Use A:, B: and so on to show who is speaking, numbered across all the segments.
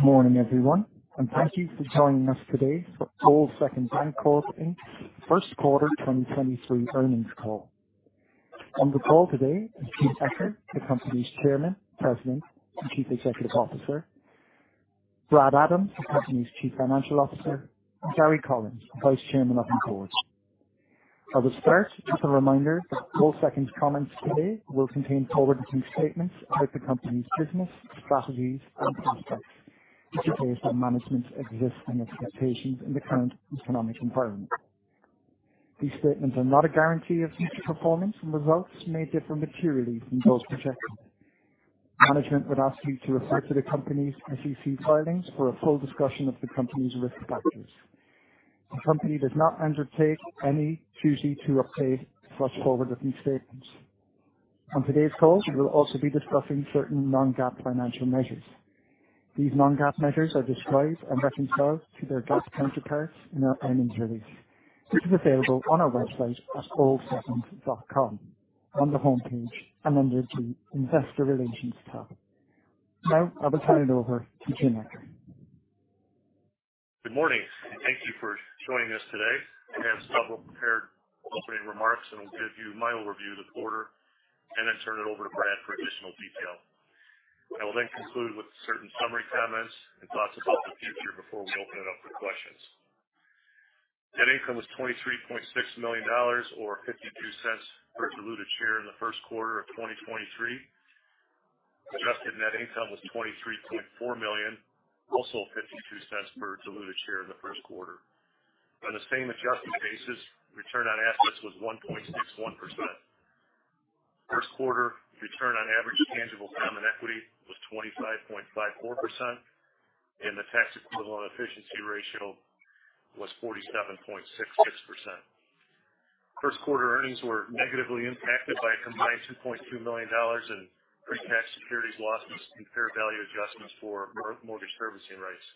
A: Good morning, everyone, and thank you for joining us today for Old Second Bancorp, Inc. First Quarter 2023 Earnings Call. On the call today is James Eccher, the company's Chairman, President, and Chief Executive Officer, Brad Adams, the company's Chief Financial Officer, and Gary Collins, Vice Chairman of the Board. I will start with just a reminder that Old Second's comments today will contain forward-looking statements about the company's business, strategies, and prospects, which are based on management's existing expectations in the current economic environment. These statements are not a guarantee of future performance, and results may differ materially from those projected. Management would ask you to refer to the company's SEC filings for a full discussion of the company's risk factors. The company does not undertake any duty to update or flush forward-looking statements. On today's call, we will also be discussing certain non-GAAP financial measures. These non-GAAP measures are described and reconciled to their GAAP counterparts in our earnings release, which is available on our website at oldsecond.com on the homepage and under the Investor Relations tab. Now I will turn it over to James Eccher.
B: Good morning. Thank you for joining us today. I have several prepared opening remarks. I'll give you my overview of the quarter and then turn it over to Brad for additional detail. I will conclude with certain summary comments and thoughts about the future before we open it up for questions. Net income was $23.6 million or $0.52 per diluted share in the first quarter of 2023. Adjusted net income was $23.4 million, also $0.52 per diluted share in the first quarter. On the same adjusted basis, return on assets was 1.61%. First quarter return on average tangible common equity was 25.54%, and the tax equivalent efficiency ratio was 47.66%. First quarter earnings were negatively impacted by a combined $2.2 million in pre-tax securities losses and fair value adjustments for mortgage servicing rights.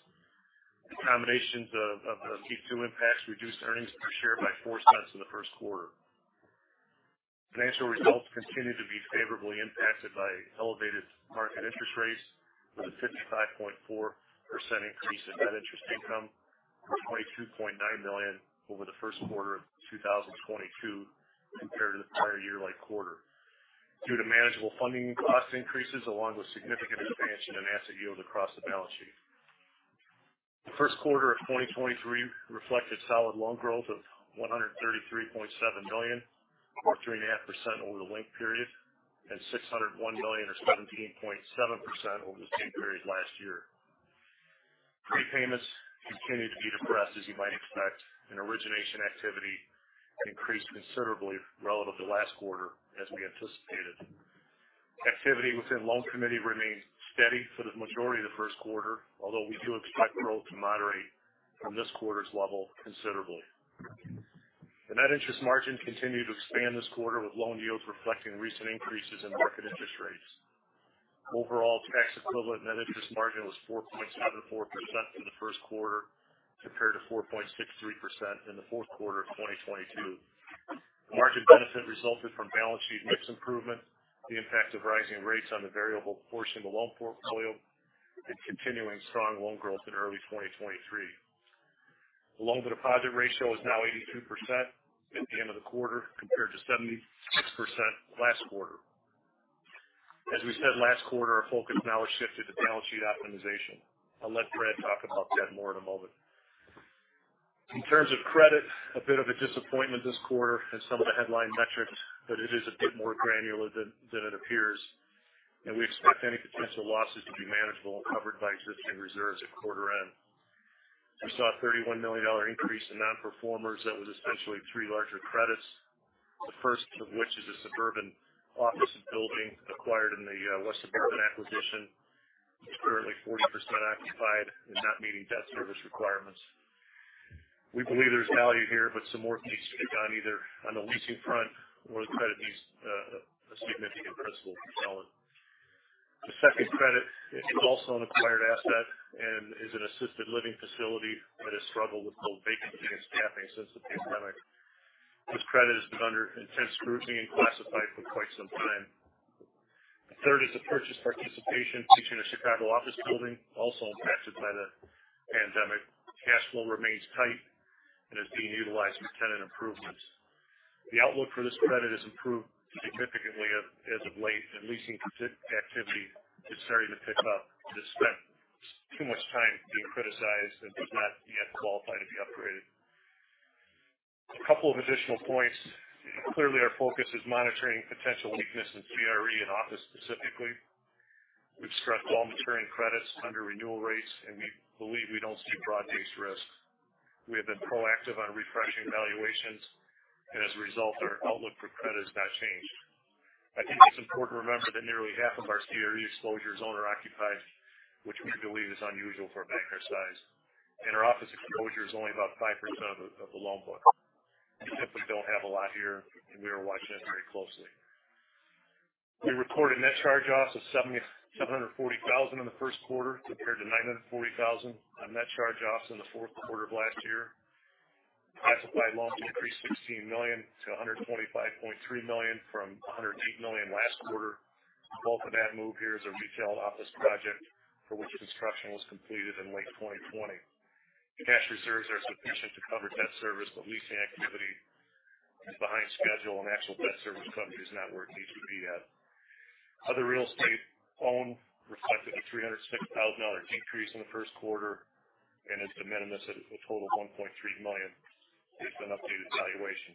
B: These combinations of Q2 impacts reduced earnings per share by $0.04 in the first quarter. Financial results continued to be favorably impacted by elevated market interest rates, with a 55.4% increase in Net Interest Income from $22.9 million over the first quarter of 2022 compared to the prior year-like quarter. Due to manageable funding cost increases along with significant expansion in asset yields across the balance sheet. The first quarter of 2023 reflected solid loan growth of $133.7 million or 3.5% over the linked period, and $601 million or 17.7% over the same period last year. Prepayments continued to be depressed, as you might expect, and origination activity increased considerably relative to last quarter, as we anticipated. Activity within loan committee remained steady for the majority of the first quarter, although we do expect growth to moderate from this quarter's level considerably. The net interest margin continued to expand this quarter with loan yields reflecting recent increases in market interest rates. Overall tax equivalent net interest margin was 4.74% in the first quarter compared to 4.63% in the fourth quarter of 2022. The margin benefit resulted from balance sheet mix improvement, the impact of rising rates on the variable portion of the loan portfolio, and continuing strong loan growth in early 2023. The loan-to-deposit ratio is now 82% at the end of the quarter compared to 76% last quarter. As we said last quarter, our focus now has shifted to balance sheet optimization. I'll let Brad talk about that more in a moment. In terms of credit, a bit of a disappointment this quarter in some of the headline metrics, it is a bit more granular than it appears, and we expect any potential losses to be manageable and covered by existing reserves at quarter end. We saw a $31 million increase in non-performers. That was essentially three larger credits, the first of which is a suburban office building acquired in the West Suburban acquisition. It's currently 40% occupied and not meeting debt service requirements. We believe there's value here, some work needs to be done either on the leasing front or the credit needs a significant principal reduction. The second credit is also an acquired asset and is an assisted living facility that has struggled with both vacancy and staffing since the pandemic. This credit has been under intense scrutiny and classified for quite some time. The third is a purchase participation featuring a Chicago office building also impacted by the pandemic. Cash flow remains tight and is being utilized for tenant improvements. The outlook for this credit has improved significantly as of late, and leasing activity is starting to pick up. It has spent too much time being criticized and does not yet qualify to be upgraded. A couple of additional points. Clearly, our focus is monitoring potential weakness in CRE and office specifically. We've stressed all maturing credits under renewal rates, and we believe we don't see broad-based risk. We have been proactive on refreshing valuations. As a result, our outlook for credit has not changed. I think it's important to remember that nearly half of our CRE exposure is owner-occupied, which we believe is unusual for a bank our size. Our office exposure is only about 5% of the loan book. We simply don't have a lot here, and we are watching it very closely. We recorded net charge-offs of $740,000 in the first quarter compared to $940,000 on net charge-offs in the fourth quarter of last year. Classified loans increased $16 million to $125.3 million from $108 million last quarter. The bulk of that move here is a retail office project for which construction was completed in late 2020. Cash reserves are sufficient to cover debt service. Leasing activity is behind schedule and actual debt service coverage is not where it needs to be yet. Other real estate owned reflected a $360,000 decrease in the first quarter, and is de minimis at a total of $1.3 million with an updated valuation.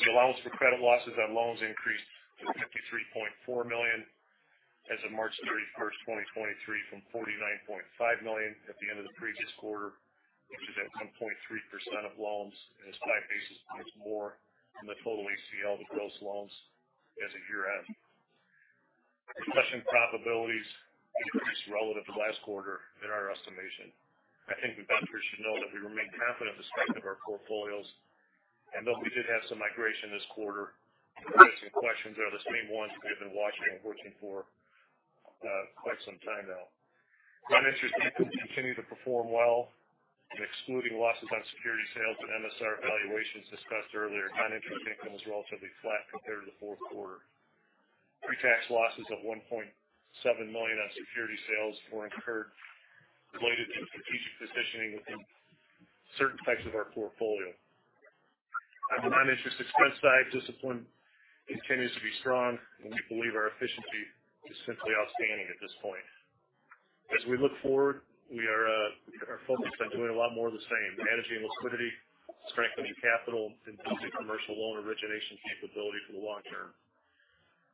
B: The allowance for credit losses on loans increased to $53.4 million as of March 31, 2023 from $49.5 million at the end of the previous quarter, which is at 1.3% of loans and is 5 basis points more than the total ACL to gross loans as of year-end. Discussion probabilities increased relative to last quarter in our estimation. I think investors should know that we remain confident in the strength of our portfolios. Though we did have some migration this quarter, the existing questions are the same ones we have been watching and working for quite some time now. Non-interest income continued to perform well. Excluding losses on security sales and MSR valuations discussed earlier, non-interest income was relatively flat compared to the fourth quarter. Pre-tax losses of $1.7 million on security sales were incurred related to strategic positioning within certain types of our portfolio. On the non-interest expense side, discipline continues to be strong. We believe our efficiency is simply outstanding at this point. As we look forward, we are focused on doing a lot more of the same. Managing liquidity, strengthening capital, and building commercial loan origination capability for the long term.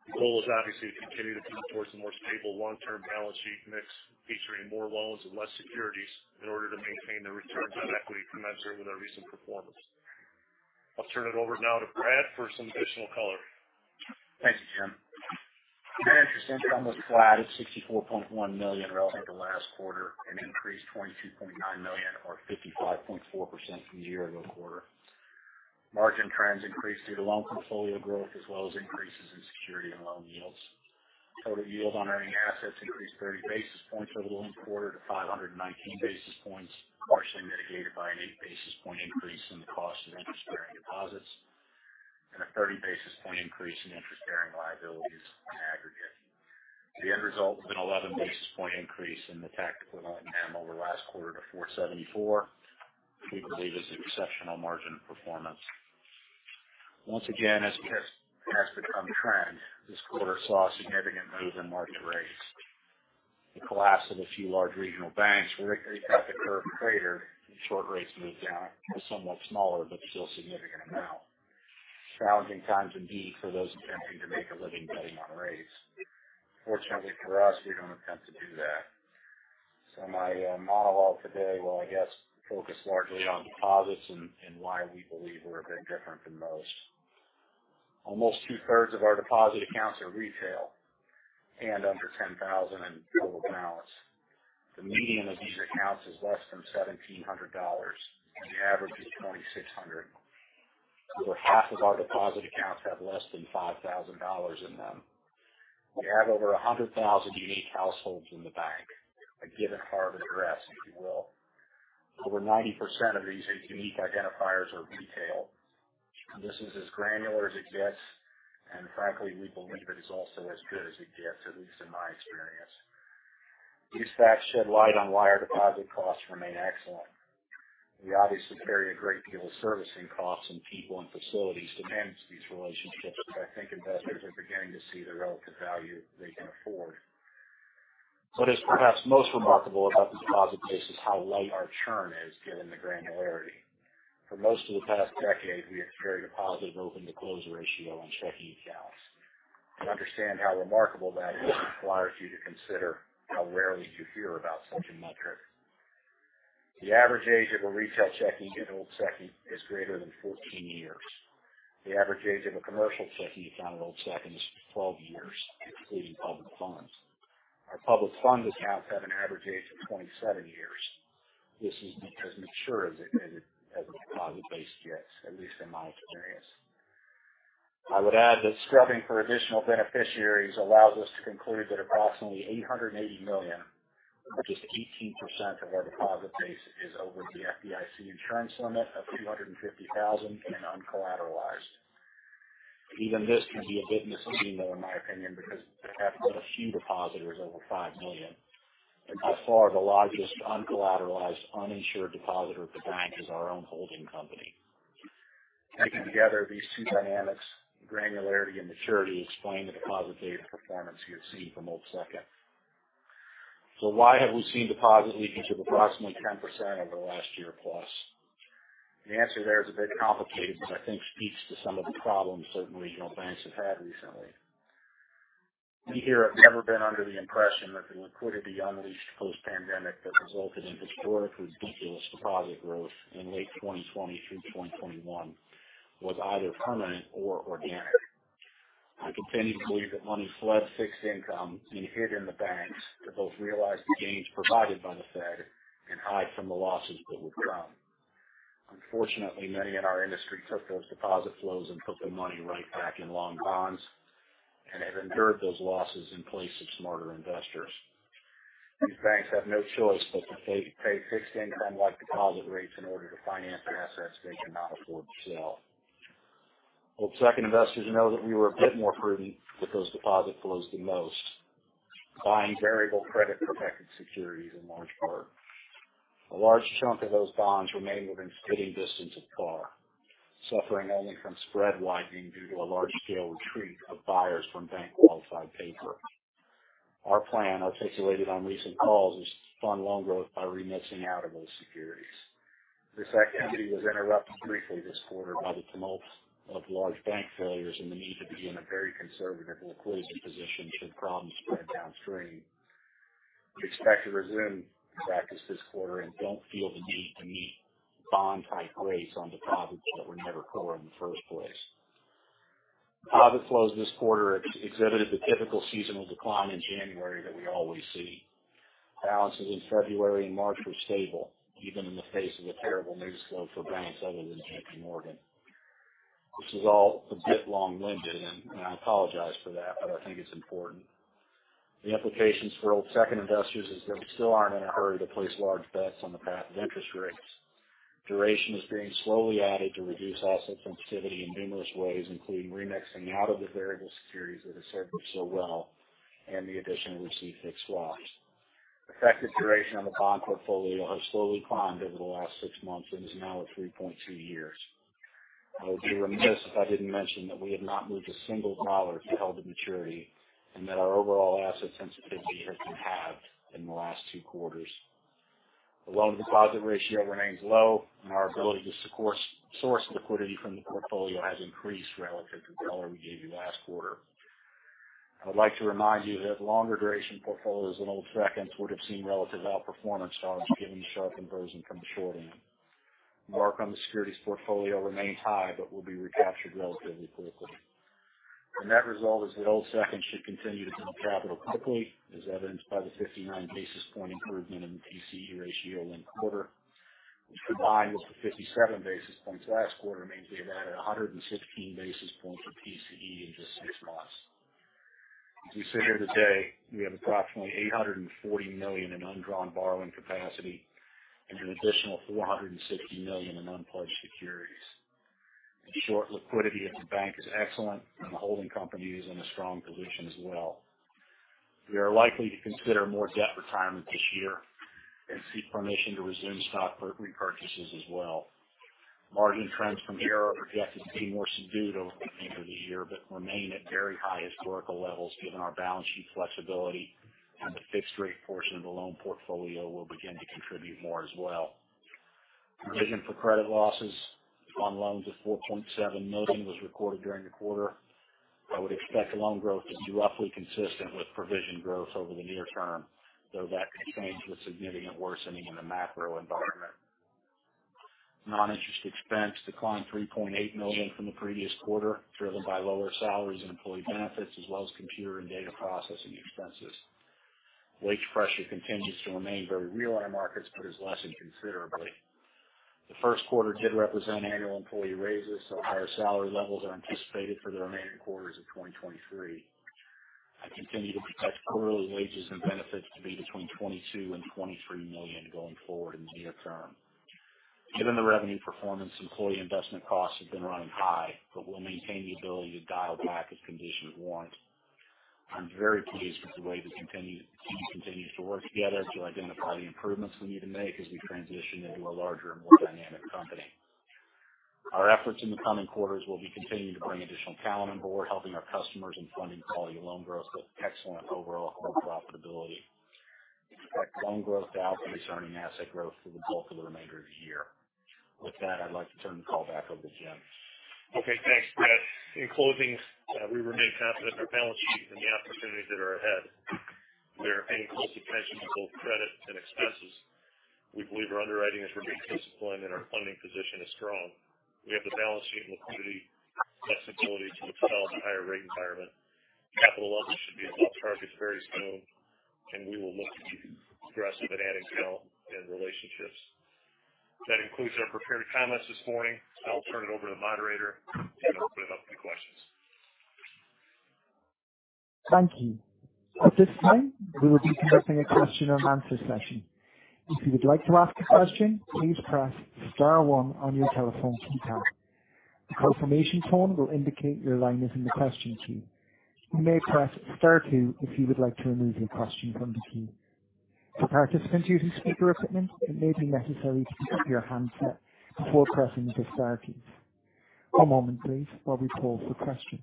B: The goal is obviously to continue to move towards a more stable long-term balance sheet mix, featuring more loans and less securities in order to maintain the returns on equity commensurate with our recent performance. I'll turn it over now to Brad for some additional color.
C: Thank you, Jim. Net interest income was flat at $64.1 million relative to last quarter, and increased $22.9 million or 55.4% from year-ago quarter. Margin trends increased due to loan portfolio growth as well as increases in security and loan yields. Total yield on earning assets increased 30 basis points over the loan quarter to 519 basis points, partially mitigated by an 8 basis point increase in the cost of interest-bearing deposits, and a 30 basis point increase in interest-bearing liabilities in aggregate. The end result has been 11 basis point increase in the tax-equivalent NIM the last quarter to 474, we believe is an exceptional margin performance. Once again, as has become trend, this quarter saw a significant move in market rates. The collapse of a few large regional banks really got the curve crater. Short rates moved down a somewhat smaller but still significant amount. Challenging times indeed for those attempting to make a living betting on rates. Fortunately for us, we don't attempt to do that. My monologue today will, I guess, focus largely on deposits and why we believe we're a bit different than most. Almost 2/3 of our deposit accounts are retail and under 10,000 in total balance. The median of these accounts is less than $1,700. The average is $2,600. Over half of our deposit accounts have less than $5,000 in them. We have over 100,000 unique households in the bank, a given card or address, if you will. Over 90% of these unique identifiers are retail. This is as granular as it gets. Frankly, we believe it is also as good as it gets, at least in my experience. These facts shed light on why our deposit costs remain excellent. We obviously carry a great deal of servicing costs in people and facilities to manage these relationships. I think investors are beginning to see the relative value they can afford. What is perhaps most remarkable about the deposit base is how light our churn is given the granularity. For most of the past decade, we have carried a positive open-to-close ratio on checking accounts. To understand how remarkable that is requires you to consider how rarely you hear about such a metric. The average age of a retail checking at Old Second is greater than 14 years. The average age of a commercial checking account at Old Second is 12 years, including public funds. Our public fund accounts have an average age of 27 years. This is as mature as it gets as a deposit base gets, at least in my experience. I would add that scrubbing for additional beneficiaries allows us to conclude that approximately $880 million, or just 18% of our deposit base, is over the FDIC insurance limit of $250,000 and uncollateralized. Even this can be a bit misleading, though, in my opinion, because the bank has a few depositors over $5 million, and by far the largest uncollateralized, uninsured depositor of the bank is our own holding company. Taken together, these two dynamics, granularity and maturity, explain the deposit data performance you have seen from Old Second. Why have we seen deposit leakage of approximately 10% over the last year plus? The answer there is a bit complicated, I think speaks to some of the problems that regional banks have had recently. We here have never been under the impression that the liquidity unleashed post-pandemic that resulted in historically ridiculous deposit growth in late 2020 through 2021 was either permanent or organic. I continue to believe that money fled fixed income and hid in the banks to both realize the gains provided by the Fed and hide from the losses that would come. Unfortunately, many in our industry took those deposit flows and put the money right back in long bonds and have endured those losses in place of smarter investors. These banks have no choice but to pay fixed income like deposit rates in order to finance the assets they cannot afford to sell. Old Second investors know that we were a bit more prudent with those deposit flows than most, buying variable credit protected securities in large part. A large chunk of those bonds remained within spitting distance of par, suffering only from spread widening due to a large scale retreat of buyers from bank qualified paper. Our plan, articulated on recent calls, is to fund loan growth by remixing out of those securities. This activity was interrupted briefly this quarter by the tumult of large bank failures and the need to be in a very conservative liquidity position should problems spread downstream. We expect to resume the practice this quarter and don't feel the need to meet bond type rates on deposits that were never core in the first place. Deposit flows this quarter exhibited the typical seasonal decline in January that we always see. Balances in February and March were stable, even in the face of a terrible news flow for banks other than JPMorgan. This is all a bit long-winded, and I apologize for that, but I think it's important. The implications for Old Second investors is that we still aren't in a hurry to place large bets on the path of interest rates. Duration is being slowly added to reduce asset sensitivity in numerous ways, including remixing out of the variable securities that have served us so well, and the addition of receive-fixed swaps. Effective duration on the bond portfolio has slowly climbed over the last six months and is now at 3.2 years. I would be remiss if I didn't mention that we have not moved a single dollar to held to maturity, and that our overall asset sensitivity has been halved in the last two quarters. The loan deposit ratio remains low, and our ability to source liquidity from the portfolio has increased relative to the color we gave you last quarter. I would like to remind you that longer duration portfolios in Old Second would have seen relative outperformance to us given the sharp inversion from the short end. Mark on the securities portfolio remains high but will be recaptured relatively quickly. The net result is that Old Second should continue to build capital quickly, as evidenced by the 59 basis point improvement in the TCE ratio in the quarter, which combined with the 57 basis points last quarter, means we have added 116 basis points of TCE in just six months. As we sit here today, we have approximately $840 million in undrawn borrowing capacity and an additional $460 million in unpledged securities. The short liquidity at the bank is excellent, and the holding company is in a strong position as well. We are likely to consider more debt retirement this year and seek permission to resume stock repurchases as well. Margin trends from here are projected to be more subdued over the end of the year remain at very high historical levels given our balance sheet flexibility. The fixed rate portion of the loan portfolio will begin to contribute more as well. Provision for credit losses on loans of $4.7 million was recorded during the quarter. I would expect loan growth to be roughly consistent with provision growth over the near term, though that could change with significant worsening in the macro environment. Non-interest expense declined $3.8 million from the previous quarter, driven by lower salaries and employee benefits as well as computer and data processing expenses. Wage pressure continues to remain very real in our markets, has lessened considerably. The first quarter did represent annual employee raises, higher salary levels are anticipated for the remaining quarters of 2023. I continue to project quarterly wages and benefits to be between $22 million and $23 million going forward in the near term. Given the revenue performance, employee investment costs have been running high but will maintain the ability to dial back as conditions warrant. I'm very pleased with the way the team continues to work together to identify the improvements we need to make as we transition into a larger and more dynamic company. Our efforts in the coming quarters will be continuing to bring additional talent on board, helping our customers in funding quality loan growth with excellent overall whole profitability. We expect loan growth to outpace earning asset growth for the bulk of the remainder of the year. With that, I'd like to turn the call back over to Jim.
B: Okay, thanks, Brad. In closing, we remain confident in our balance sheet and the opportunities that are ahead. We are paying close attention to both credit and expenses. We believe our underwriting has remained disciplined and our funding position is strong. We have the balance sheet and liquidity flexibility to excel in the higher rate environment. Capital levels should be above targets very soon, and we will look to be aggressive in adding scale and relationships. That concludes our prepared comments this morning. I'll turn it over to the moderator, and we'll open it up to questions.
A: Thank you. At this time, we will be conducting a question and answer session. If you would like to ask a question, please press star 1 on your telephone keypad. A confirmation tone will indicate your line is in the question queue. You may press star 2 if you would like to remove your question from the queue. For participants using speaker equipment, it may be necessary to pick up your handset before pressing the star keys. One moment please, while we poll for questions.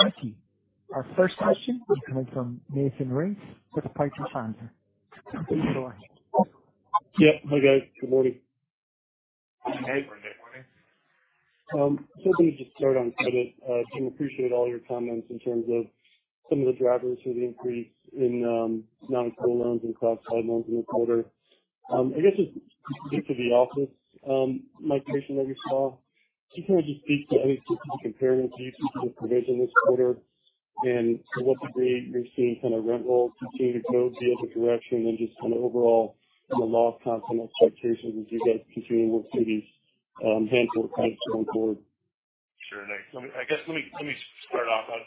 A: Thank you. Our first question will be coming from Nathan Race with Piper Sandler. Please go ahead.
D: Yep. Hi, guys. Good morning.
B: Hey.
C: Good morning.
D: Let me just start on credit. Jim, appreciate all your comments in terms of some of the drivers for the increase in non-accrual loans and classified loans in the quarter. I guess just specific to the office migration that you saw, can you kind of just speak to any specific comparisons you see to the provision this quarter? To what degree you're seeing kind of rent roll continue to go the other direction and just kind of overall, you know, loss continuity expectations as you guys continue to work through these handful of credits going forward?
B: Sure. I guess let me start off by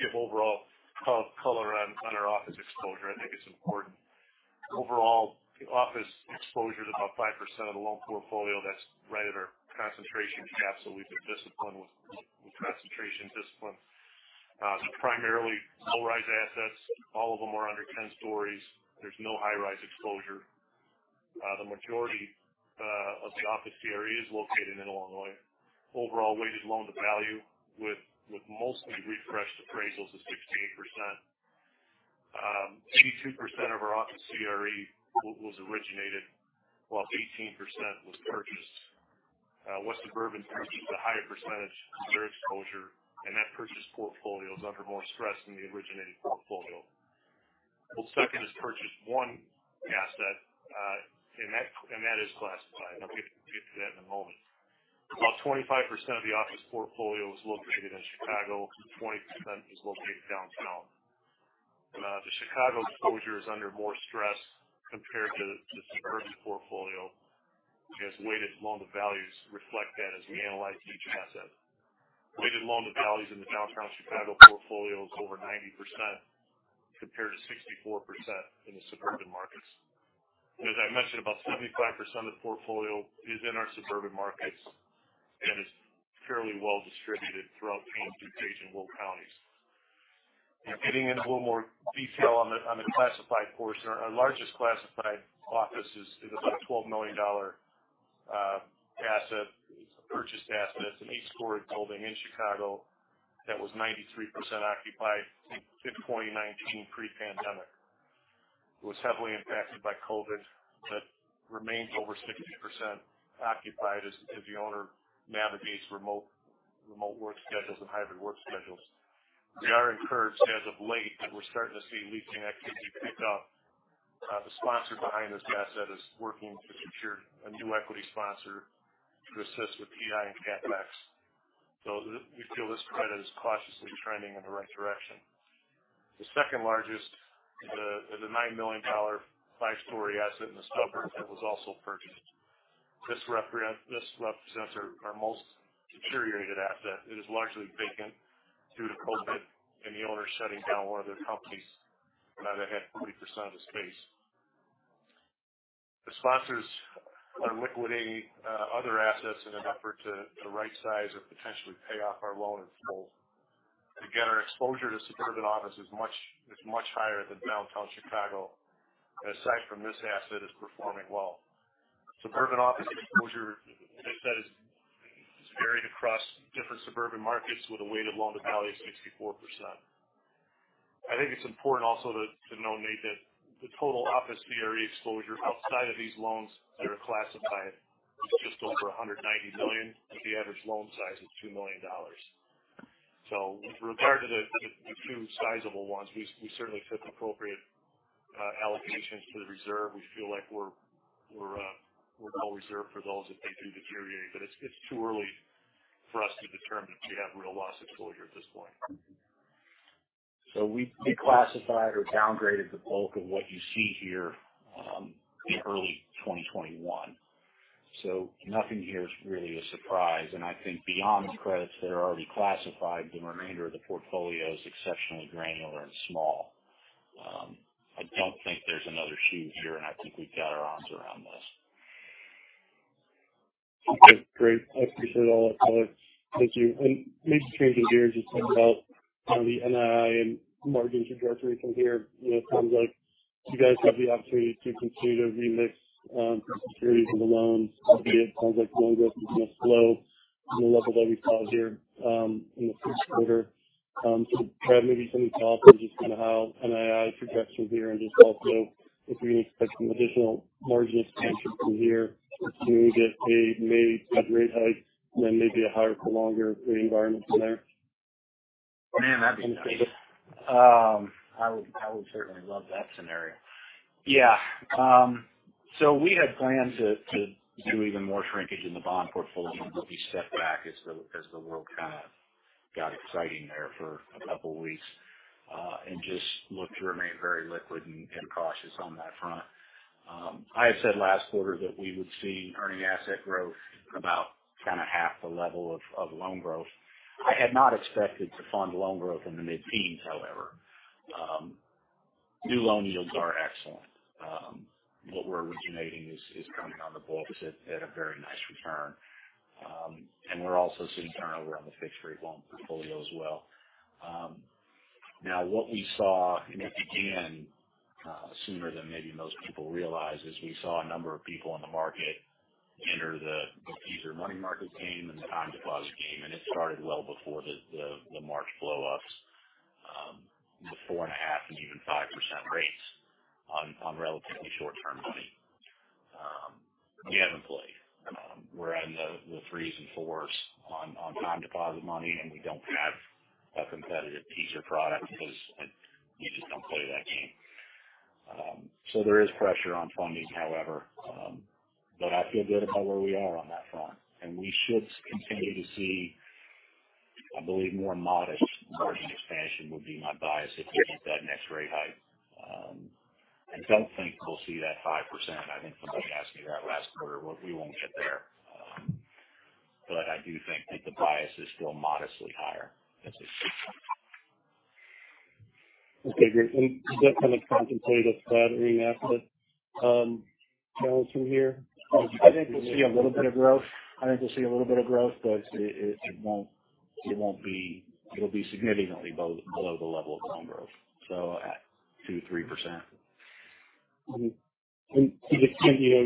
B: give overall color on our office exposure. I think it's important. Overall, office exposure is about 5% of the loan portfolio that's right at our concentration cap, so we've been disciplined with concentration discipline. Primarily low-rise assets. All of them are under 10 stories. There's no high-rise exposure. The majority of the office CRE is located in Illinois. Overall weighted loan-to-value with mostly refreshed appraisals is 16%. 82% of our office CRE was originated, while 18% was purchased. West Suburban purchased a higher percentage of their exposure, that purchase portfolio is under more stress than the originating portfolio. Old Second has purchased 1 asset, that is classified, and I'll get to that in a moment. About 25% of the office portfolio is located in Chicago. 20% is located downtown. The Chicago exposure is under more stress compared to the suburban portfolio as weighted loan-to-values reflect that as we analyze each asset. Weighted loan-to-values in the downtown Chicago portfolio is over 90% compared to 64% in the suburban markets. As I mentioned, about 75% of the portfolio is in our suburban markets and is fairly well distributed throughout Cook, DuPage, and Will counties. Getting into a little more detail on the classified portion. Our largest classified office is about a $12 million asset. It's a purchased asset. It's an 8-story building in Chicago that was 93% occupied in 2019 pre-pandemic. It was heavily impacted by COVID, remains over 60% occupied as the owner navigates remote work schedules and hybrid work schedules. We are encouraged as of late that we're starting to see leasing activity pick up. The sponsor behind this asset is working to secure a new equity sponsor to assist with TI and CapEx. We feel this credit is cautiously trending in the right direction. The second largest is a $9 million five-story asset in the suburbs that was also purchased. This represents our most deteriorated asset. It is largely vacant due to COVID and the owner shutting down one of their companies that had 40% of the space. The sponsors are liquidating other assets in an effort to right-size or potentially pay off our loan in full. Again, our exposure to suburban office is much higher than downtown Chicago. Aside from this asset, is performing well. Suburban office exposure, like I said, is varied across different suburban markets with a weighted loan-to-value of 64%. I think it's important also to notate that the total office CRE exposure outside of these loans that are classified is just over $190 million, with the average loan size of $2 million. With regard to the two sizable ones, we certainly took appropriate allocations to the reserve. We feel like we're well reserved for those if they do deteriorate, but it's too early for us to determine if we have real loss exposure at this point.
C: We declassified or downgraded the bulk of what you see here, in early 2021. Nothing here is really a surprise. I think beyond the credits that are already classified, the remainder of the portfolio is exceptionally granular and small. I don't think there's another shoe here, and I think we've got our arms around this.
D: Okay, great. I appreciate all that color. Thank you. Maybe changing gears and talking about the NII and margin trajectory from here. You know, it sounds like you guys have the opportunity to continue to remix securities and the loans, albeit sounds like loan growth is gonna slow from the level that we saw here, you know, through the quarter. Brad, maybe can you talk through just kinda how NII projects from here and just also if we can expect some additional margin expansion from here assuming that the Fed may cut rate hikes and then maybe a higher for longer rate environment from there?
C: Man, that'd be nice. I would, I would certainly love that scenario. Yeah. We had planned to do even more shrinkage in the bond portfolio, but we stepped back as the world kinda got exciting there for a couple weeks, and just looked to remain very liquid and cautious on that front. I had said last quarter that we would see earning asset growth about kinda half the level of loan growth. I had not expected to fund loan growth in the mid-teens, however. New loan yields are excellent. What we're originating is coming on the books at a very nice return. We're also seeing turnover on the fixed-rate loan portfolio as well. Now what we saw, and it began sooner than maybe most people realize, is we saw a number of people in the market enter the teaser money market game and the time deposit game, and it started well before the March blowups, with 4.5% and even 5% rates on relatively short-term money. We haven't played. We're in the 3s and 4s on time deposit money, and we don't have a competitive teaser product because we just don't play that game. There is pressure on funding, however, but I feel good about where we are on that front. We should continue to see, I believe, more modest margin expansion would be my bias if we get that next rate hike, I don't think we'll see that 5%. I think somebody asked me that last quarter. We won't get there. I do think that the bias is still modestly higher as a
D: Okay, great. Is that kind of contemplated for that remap that, going through here?
C: I think we'll see a little bit of growth, but it'll be significantly below the level of loan growth, at 2%-3%.
D: Mm-hmm. To the extent, you know,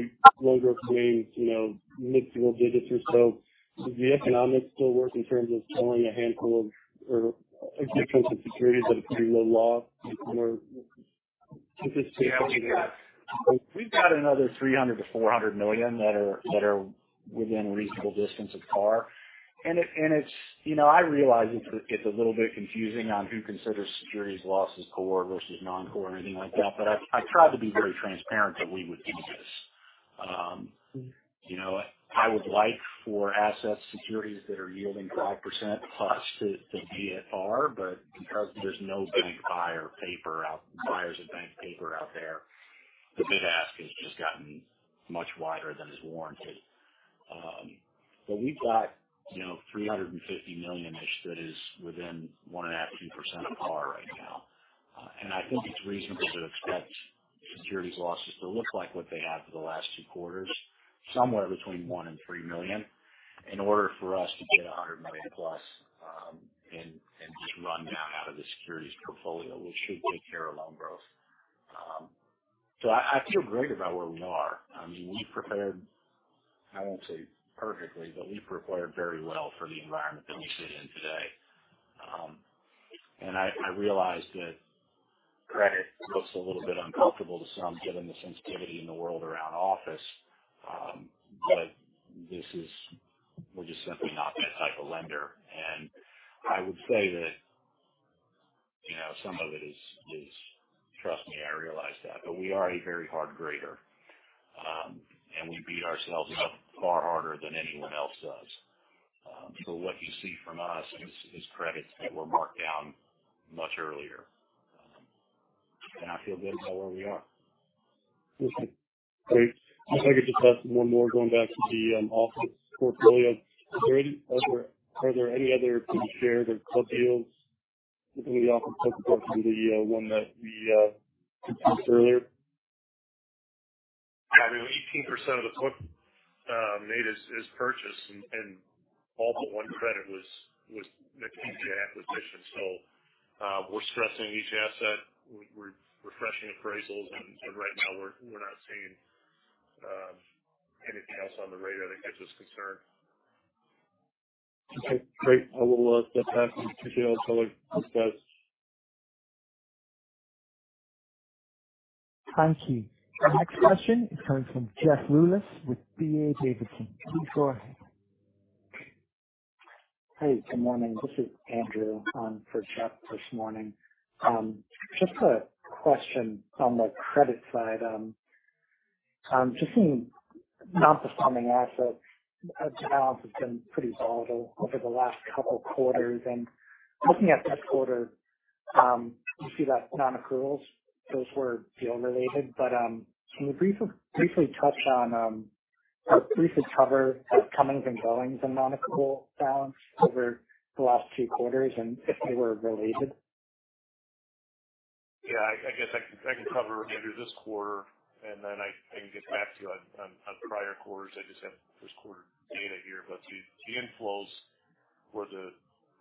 D: loan growth remains, you know, mid-single digits or so, does the economics still work in terms of selling a handful of or a difference in securities that are pretty low loss or just
C: Yeah. We've got another $300 million-$400 million that are within reasonable distance of par. It's You know, I realize it's a little bit confusing on who considers securities losses core versus non-core and anything like that. I tried to be very transparent that we would do this. You know, I would like for asset securities that are yielding 5% plus to be at par, but because there's no buyers of bank paper out there, the bid-ask has just gotten much wider than is warranted. We've got, you know, $350 million-ish that is within 1.5%-2% of par right now. I think it's reasonable to expect securities losses to look like what they have for the last two quarters, somewhere between $1 million-$3 million, in order for us to get $100 million-plus, and just run down out of the securities portfolio, which should take care of loan growth. I feel great about where we are. I mean, we prepared, I won't say perfectly, but we prepared very well for the environment that we sit in today. I realize that credit looks a little bit uncomfortable to some, given the sensitivity in the world around office. We're just simply not that type of lender. I would say that, you know, some of it is... Trust me, I realize that. We are a very hard grader, and we beat ourselves up far harder than anyone else does. What you see from us is credits that were marked down much earlier. I feel good about where we are.
D: Okay. Great. If I could just ask one more going back to the office portfolio. Are there any other pretty shared or club deals within the office portfolio to the one that we discussed earlier?
B: Yeah. I mean, 18% of the book, made is purchased and all but one credit was an acquisition. We're stressing each asset. We're refreshing appraisals, and right now we're not seeing anything else on the radar that gets us concerned.
D: Okay, great. I will get back to you. I would like to discuss.
A: Thank you. The next question is coming from Jeff Rulis with D.A. Davidson. Please go ahead.
E: Hey, good morning. This is Andrew on for Jeff this morning. Just a question on the credit side. Just in non-performing assets, balance has been pretty volatile over the last couple quarters. Looking at this quarter, you see that non-accruals, those were deal related. Can you briefly touch on or briefly cover the comings and goings in non-accrual balance over the last few quarters and if they were related?
B: Yeah. I guess I can cover, Andrew, this quarter, and then I can get back to you on prior quarters. I just have this quarter data here. The inflows were the,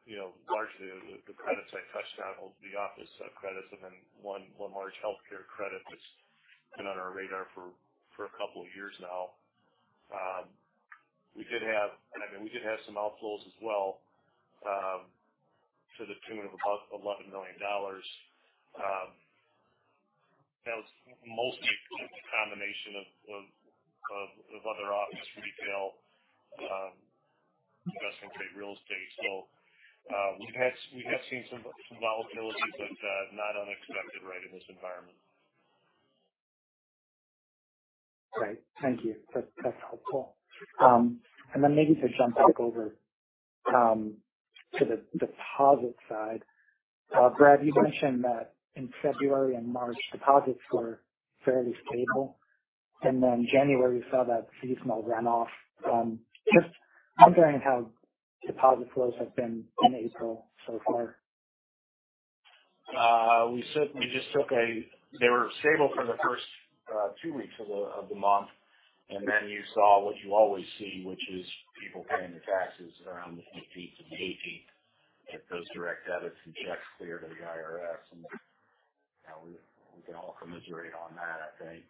B: you know, largely the credits I touched on, all the office credits and then one large healthcare credit that's been on our radar for a couple of years now. I mean, we did have some outflows as well, to the tune of about $11 million. That was mostly just a combination of other office, retail, investment-grade real estate. we've had, we have seen some volatility, but not unexpected rate in this environment.
E: Great. Thank you. That's helpful. Maybe to jump back over to the deposit side. Brad, you mentioned that in February and March, deposits were fairly stable. January, we saw that seasonal runoff. Just wondering how deposit flows have been in April so far?
C: They were stable for the first two weeks of the month. You saw what you always see, which is people paying their taxes around the 15th and the 18th, and those direct debits and checks clear to the IRS. You know, we can all commiserate on that, I think.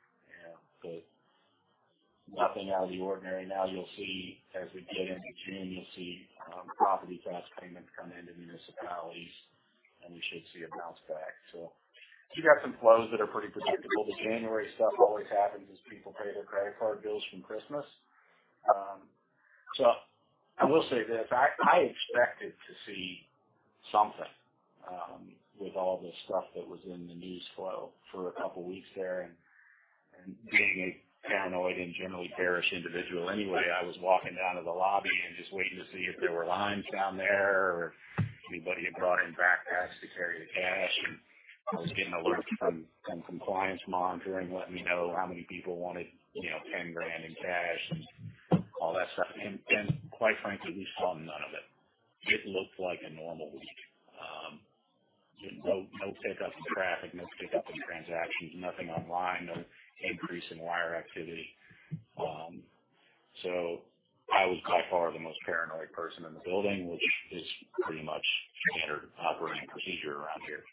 C: Yeah. Nothing out of the ordinary. You'll see as we get into June, you'll see property tax payments come into municipalities, and we should see a bounce back. You got some flows that are pretty predictable. The January stuff always happens as people pay their credit card bills from Christmas. I will say this. I expected to see something, with all the stuff that was in the news flow for a couple of weeks there. Being a paranoid and generally bearish individual anyway, I was walking down to the lobby and just waiting to see if there were lines down there or anybody had brought in backpacks to carry the cash. I was getting alerts from compliance monitoring, letting me know how many people wanted, you know, 10 grand in cash and all that stuff. Quite frankly, we saw none of it. It looked like a normal week. No pickup in traffic, no pickup in transactions, nothing online, no increase in wire activity. I was by far the most paranoid person in the building, which is pretty much standard operating procedure around here.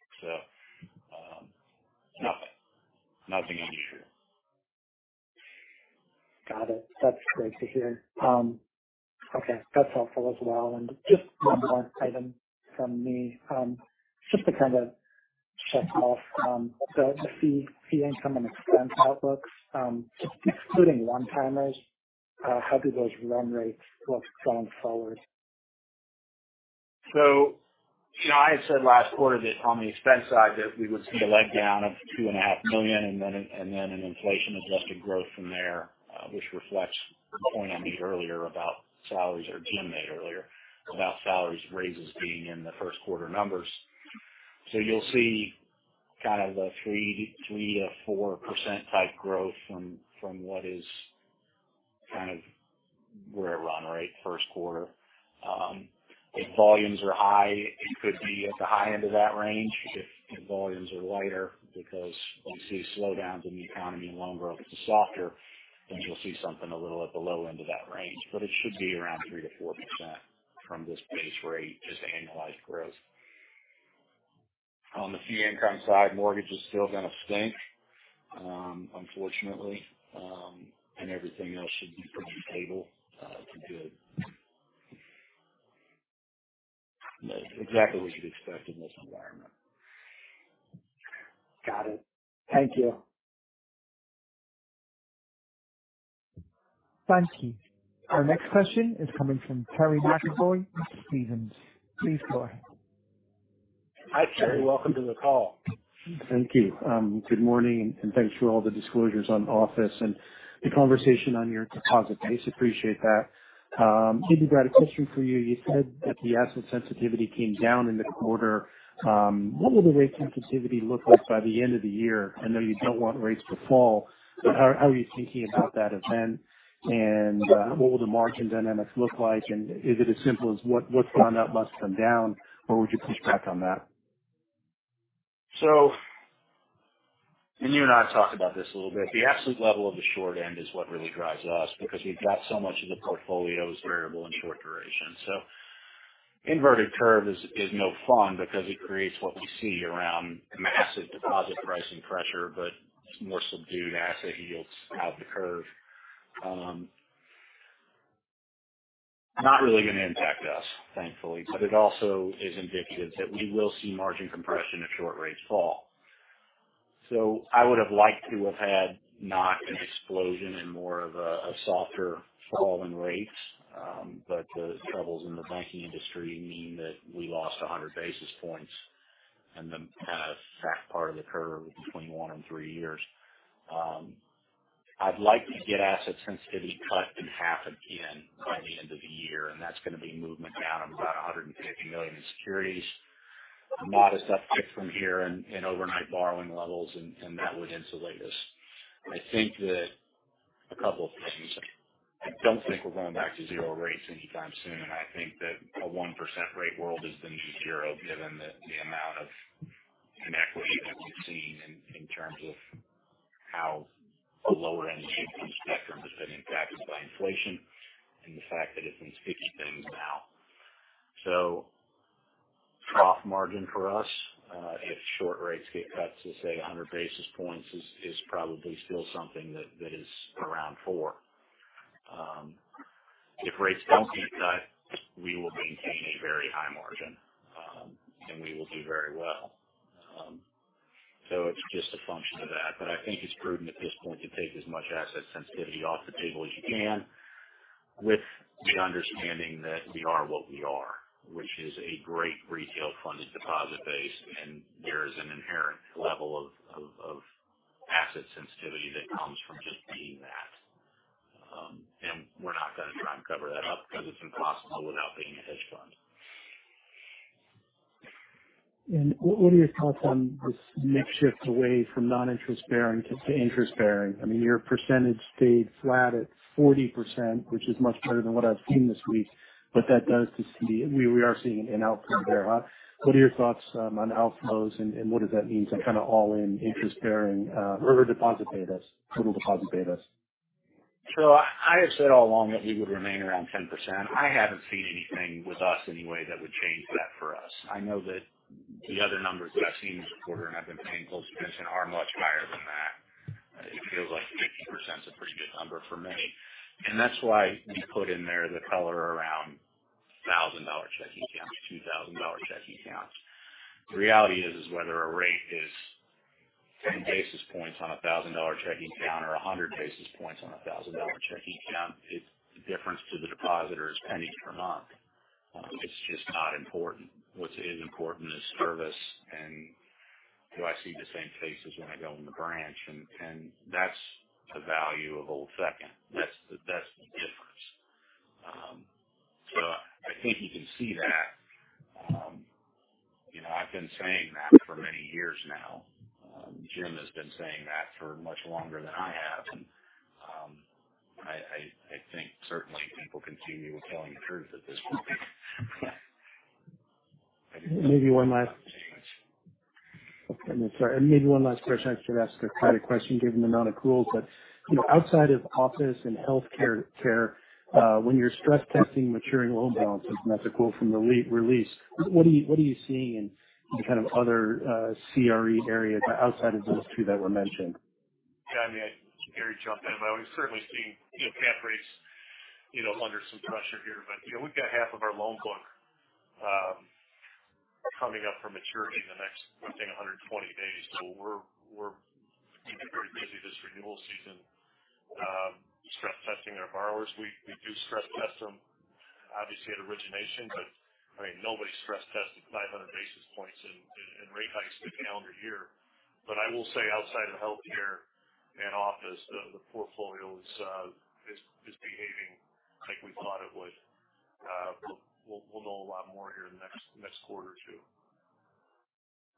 C: Nothing. Nothing unusual.
E: Got it. That's great to hear. Okay, that's helpful as well. Just one more item from me, just to kind of check off the fee income and expense outlooks, just excluding one-timers, how do those run rates look going forward?
C: You know, I had said last quarter that on the expense side that we would see a leg down of $2.5 million, and then an inflation-adjusted growth from there, which reflects the point I made earlier about salaries or Jim made earlier about salaries raises being in the first quarter numbers. You'll see kind of a 3%-4% type growth from what is kind of where it run, right, first quarter. If volumes are high, it could be at the high end of that range. If volumes are lighter because we see slowdowns in the economy and loan growth is softer, then you'll see something a little at the low end of that range. It should be around 3%-4% from this base rate, just annualized growth. On the fee income side, mortgage is still gonna stink, unfortunately. Everything else should be pretty stable, to good. You know, exactly what you'd expect in this environment.
E: Got it. Thank you.
A: Thank you. Our next question is coming from Terry McEvoy with Stephens. Please go ahead.
C: Hi, Terry. Welcome to the call.
F: Thank you. Thanks for all the disclosures on Office and the conversation on your deposit base. Appreciate that. Maybe Brad, a question for you. You said that the asset sensitivity came down in the quarter. What will the rate sensitivity look like by the end of the year? I know you don't want rates to fall, but how are you thinking about that event? What will the margin dynamics look like? Is it as simple as what's gone up must come down, or would you push back on that?
C: And you and I talked about this a little bit. The absolute level of the short end is what really drives us because we've got so much of the portfolio's variable and short duration. Inverted curve is no fun because it creates what we see around massive deposit pricing pressure, but more subdued asset yields out of the curve. Not really gonna impact us, thankfully. It also is indicative that we will see margin compression if short rates fall. I would have liked to have had not an explosion and more of a softer fall in rates. The troubles in the banking industry mean that we lost 100 basis points in the back part of the curve between one and three years. I'd like to get asset sensitivity cut in half again by the end of the year. That's going to be movement down of about $150 million in securities. A modest uptick from here in overnight borrowing levels, and that would insulate us. I think that a couple of things. I don't think we're going back to 0 rates anytime soon. I think that a 1% rate world is the new 0, given the amount of inequity that we've seen in terms of how a lower end of the income spectrum has been impacted by inflation and the fact that it's in sticky things now. Trough margin for us, if short rates get cut to, say, 100 basis points is probably still something that is around 4%. If rates don't get cut, we will maintain a very high margin, and we will do very well. It's just a function of that. I think it's prudent at this point to take as much asset sensitivity off the table as you can with the understanding that we are what we are, which is a great retail-funded deposit base, and there is an inherent level of asset sensitivity that comes from just being that. We're not gonna try and cover that up because it's impossible without being a hedge fund.
F: What are your thoughts on this mix shift away from non-interest bearing to interest bearing? I mean, your percentage stayed flat at 40%, which is much better than what I've seen this week, but that does seem to be. We are seeing an outflow there, huh? What are your thoughts on outflows and what does that mean to kind of all-in interest-bearing or deposit betas, total deposit betas?
C: I have said all along that we would remain around 10%. I haven't seen anything with us anyway that would change that for us. I know that the other numbers that I've seen this quarter, and I've been paying close attention, are much higher than that. It feels like 50%'s a pretty good number for many. That's why we put in there the color around $1,000 checking accounts, $2,000 checking accounts. The reality is whether a rate is 10 basis points on a $1,000 checking account or 100 basis points on a $1,000 checking account, it's the difference to the depositors pennies per month. It's just not important. What's important is service, and do I see the same faces when I go in the branch? That's the value of Old Second. That's the difference. I think you can see that. You know, I've been saying that for many years now. Jim has been saying that for much longer than I have. I think certainly people continue with telling the truth at this point.
F: Maybe one last question. I should ask a tighter question given the amount of rules. You know, outside of office and healthcare, when you're stress testing maturing loan balances, and that's a quote from the re-release, what are you seeing in kind of other CRE areas outside of those two that were mentioned?
B: Yeah, I mean, Terry jump in. We're certainly seeing, you know, cap rates, you know, under some pressure here. You know, we've got half of our loan book, coming up for maturity in the next, I think, 120 days. We're keeping very busy this renewal season, stress testing our borrowers. We, we do stress test them obviously at origination, I mean, nobody stress tested 500 basis points in rate hikes in a calendar year. I will say outside of healthcare and office, the portfolio is behaving like we thought it would. We'll know a lot more here in the next quarter or two.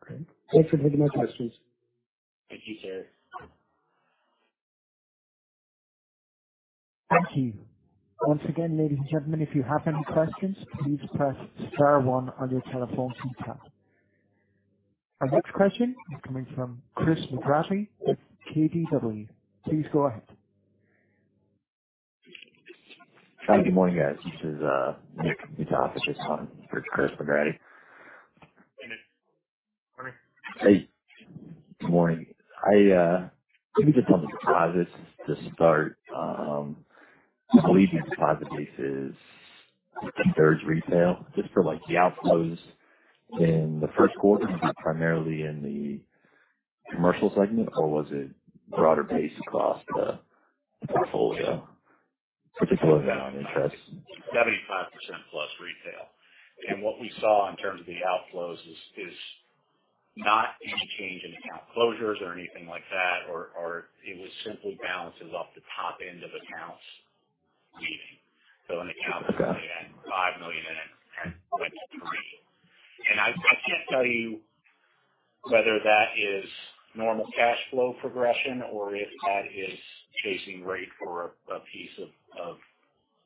F: Great. Thanks for taking my questions.
C: Thank you, Terry.
A: Thank you. Once again, ladies and gentlemen, if you have any questions, please press star one on your telephone keypad. Our next question is coming from Christopher McGratty with KBW. Please go ahead.
G: Hi, good morning, guys. This is Nick Moutafakis on for Christopher McGratty.
B: Hey, Nick. Morning.
G: Hey. Good morning. Maybe just on the deposits to start, I believe your deposit base is two-thirds retail. Just for like the outflows in the first quarter, was it primarily in the commercial segment, or was it broader based across the portfolio, particularly non-interest?
C: 75% plus retail. What we saw in terms of the outflows is not any change in account closures or anything like that, or it was simply balances off the top end of accounts leaving.
G: Okay.
C: An account that might add $5 million in it went to $3 million. I can't tell you whether that is normal cash flow progression or if that is chasing rate for a piece of,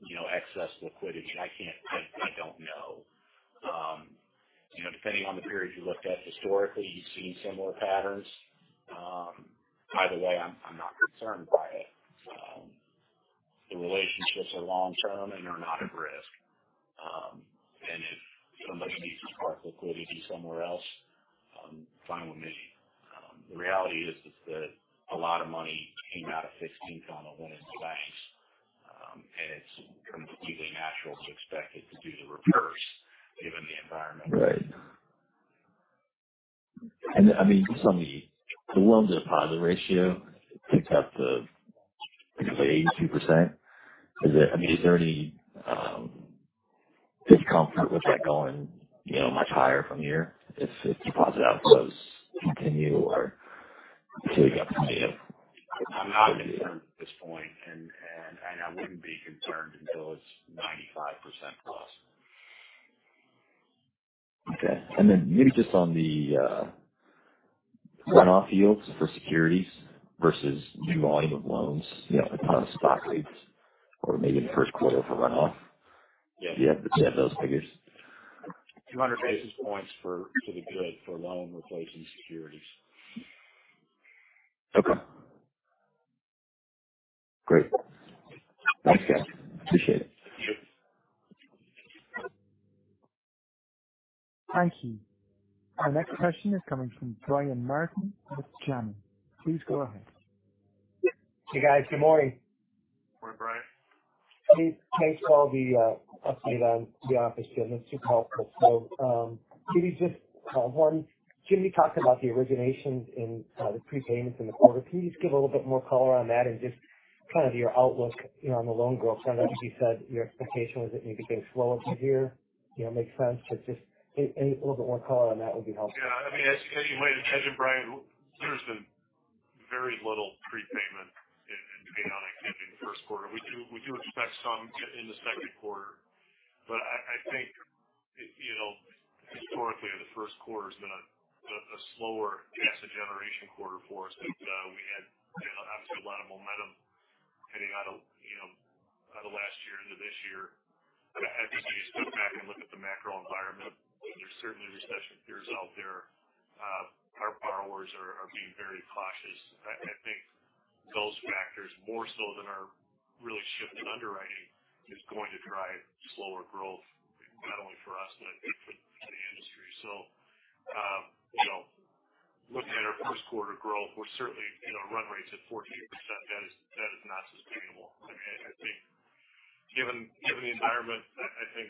C: you know, excess liquidity. I don't know. You know, depending on the period you looked at historically, you've seen similar patterns. Either way, I'm not concerned by it. The relationships are long term and are not at risk. If somebody needs to park liquidity somewhere else, I'm fine with me. The reality is that a lot of money came out of Signature and Silicon Valley Bank, and it's completely natural to expect it to do the reverse given the environment.
G: Right. I mean, just on the loan deposit ratio ticked up to, I think you said 82%. I mean, is there any? Are you comfortable with that going, you know, much higher from here if deposit outflows continue or until you got to see it?
C: I'm not concerned at this point. I wouldn't be concerned until it's 95%+.
G: Okay. maybe just on the, runoff yields for securities versus new volume of loans, you know, upon spot rates or maybe the first quarter for runoff.
C: Yeah.
G: Do you have those figures?
C: 200 basis points for the grid, for loan replace and securities.
G: Okay. Great. Thanks, guys. Appreciate it.
C: Sure.
A: Thank you. Our next question is coming from Brian Martin with Janney. Please go ahead.
H: Hey, guys. Good morning.
B: Morning, Brian.
H: Thanks for all the update on the office, Jim. That's super helpful. Can you just, one, Jimmy talked about the originations in the prepayments in the quarter. Can you just give a little bit more color on that and just kind of your outlook, you know, on the loan growth? I know you said your expectation was that maybe things slow up from here, you know, makes sense. Just any little bit more color on that would be helpful.
B: Yeah. I mean, as you might have mentioned, Brian, there's been very little prepayment in pay on extending the first quarter. We do expect some in the second quarter, but I think, you know, historically the first quarter's been a slower cash generation quarter for us. We had, you know, obviously a lot of momentum heading out of, you know, out of last year into this year. I think if you step back and look at the macro environment, there's certainly recession fears out there. Our borrowers are being very cautious. I think those factors more so than our really shift in underwriting is going to drive slower growth, not only for us, but for the industry. Looking at our first quarter growth, we're certainly, you know, run rates at 14%. That is not sustainable. I think given the environment, I think,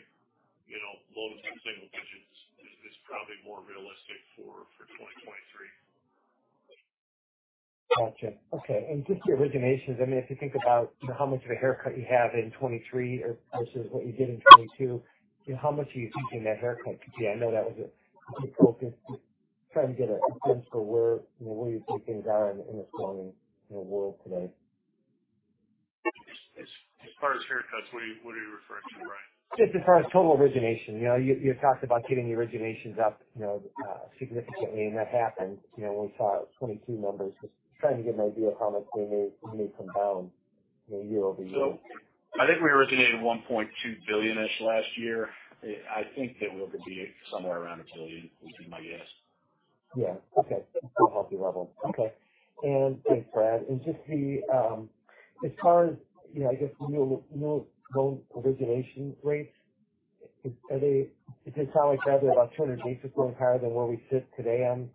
B: you know, low to mid-single digits is probably more realistic for 2023.
H: Gotcha. Okay. Just the originations, I mean, if you think about how much of a haircut you have in 2023 versus what you did in 2022, how much are you thinking that haircut could be? I know that was a focus. Just trying to get a sense for where, you know, where you're thinking, Brian, in this loan, you know, world today.
B: As far as haircuts, what are you referring to, Brian?
H: Just as far as total origination. You know, you talked about getting the originations up, you know, significantly. That happened. You know, when we saw 22 numbers. Just trying to get an idea of how much they may come down, you know, year-over-year.
C: I think we originated $1.2 billion-ish last year. I think that we're going to be somewhere around $1 billion would be my guess.
H: Yeah. Okay. Still a healthy level. Okay. Thanks, Brad. Just the, as far as, you know, I guess new loan origination rates, did they sound like they were about 200 basis points higher than where we sit today on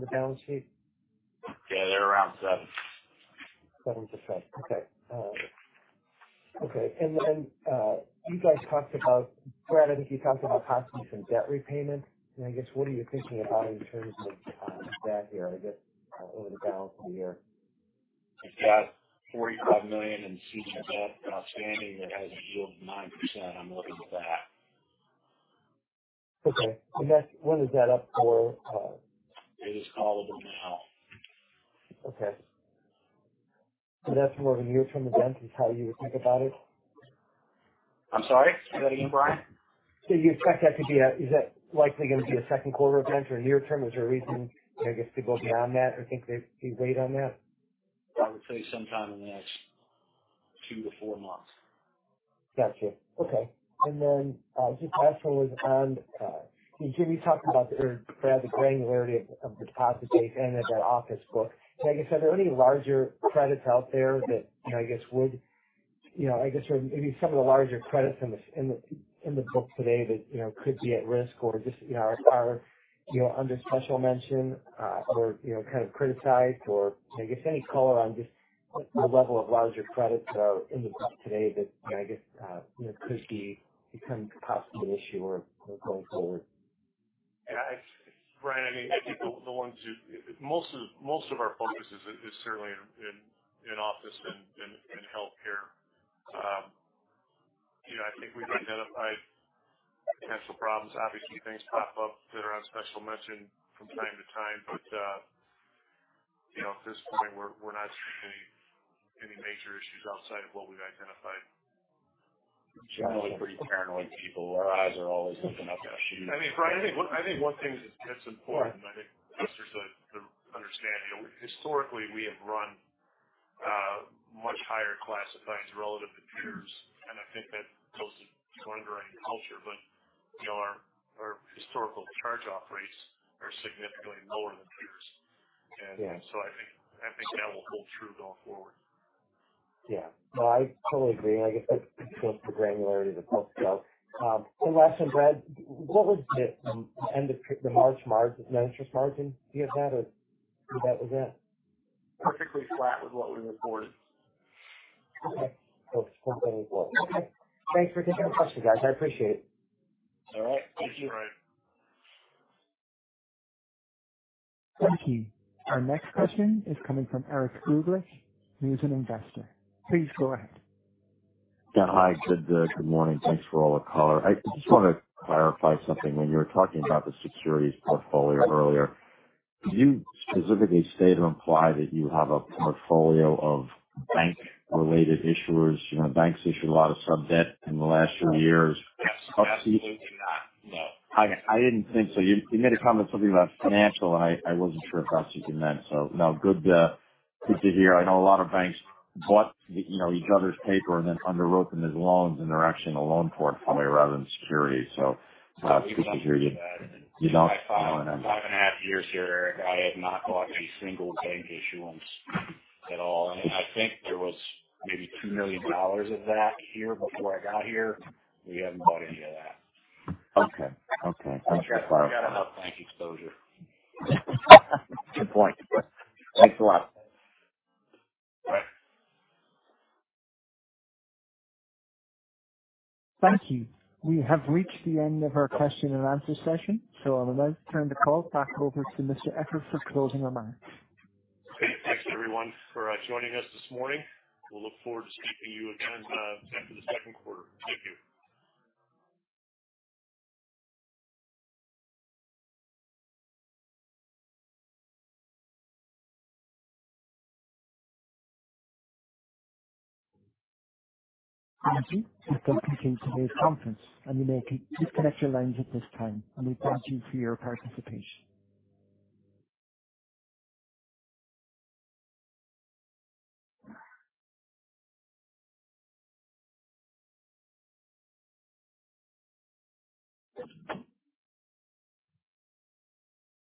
H: the balance sheet?
C: Yeah, they're around seven.
H: 7%. Okay. Okay. You guys talked about Brad, I think you talked about possibly some debt repayment. What are you thinking about in terms of that here, I guess, over the balance of the year?
C: We've got $45 million in CCF outstanding that has a yield of 9%. I'm looking at that.
H: Okay. When is that up for?
C: It is callable now.
H: Okay. That's more of a near-term event is how you would think about it?
C: I'm sorry. Say that again, Brian.
H: You expect that to be is that likely going to be a second quarter event or near-term? Is there a reason, I guess, to go beyond that or think that we wait on that?
C: I would say sometime in the next 2-4 months.
H: Gotcha. Okay. Just last one was on Jimmy, you talked about or Brad, the granularity of deposit base and of that office book. I guess, are there any larger credits out there that, you know, I guess, would, you know, I guess maybe some of the larger credits in the book today that, you know, could be at risk or just, you know, are, you know, under special mention, or, you know, kind of criticized or I guess any color on just the level of larger credits in the book today that I guess, you know, could be become possibly an issue or going forward?
B: Brian, I mean, I think most of our focus is certainly in office and in healthcare. You know, I think we've identified potential problems. Obviously, things pop up that are on special mention from time to time. You know, at this point, we're not seeing any major issues outside of what we've identified.
H: Gotcha.
C: Generally pretty paranoid people. Our eyes are always looking out for issues.
H: Yeah.
B: I mean, Brian, I think one thing that's important, I think, just for us to understand, you know, historically, we have run much higher classifieds relative to peers. I think that tells the underlying culture. You know, our historical charge-off rates are significantly lower than peers.
H: Yeah.
B: I think that will hold true going forward.
H: Yeah. No, I totally agree. I guess that shows the granularity of the portfolio. Last one, Brad, what was the end of the March margin, net interest margin? Do you have that or that was it?
C: Perfectly flat with what we reported.
H: Okay. Still going well. Okay. Thanks for taking the questions, guys. I appreciate it.
C: All right. Thank you.
B: Thanks, Brian.
A: Thank you. Our next question is coming from Eric Kugler. He is an investor. Please go ahead.
I: Yeah. Hi. Good morning. Thanks for all the color. I just want to clarify something. When you were talking about the securities portfolio earlier, did you specifically say to imply that you have a portfolio of bank-related issuers? You know, banks issued a lot of sub-debt in the last few years.
C: Yes. Absolutely not. No.
I: I didn't think so. You made a comment something about financial, and I wasn't sure if that's what you meant. No, good to hear. I know a lot of banks bought, you know, each other's paper and then underwrote them as loans, and they're actually in the loan portfolio rather than security. It's good to hear you don't own them.
C: In my five and a half years here, Eric, I have not bought a single bank issuance at all. I think there was maybe $2 million of that here before I got here. We haven't bought any of that.
I: Okay. That's what I thought.
C: We got enough bank exposure.
I: Good point. Thanks a lot.
B: All right.
A: Thank you. We have reached the end of our question and answer session. I would like to turn the call back over to Mr. Eccher for closing remarks.
B: Great. Thanks, everyone, for joining us this morning. We'll look forward to speaking to you again after the second quarter. Thank you.
A: Thank you. This concludes today's conference, and you may disconnect your lines at this time. We thank you for your participation.